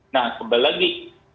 nah kembali lagi